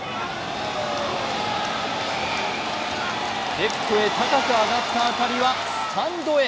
レフトへ高く上がった当たりはスタンドへ。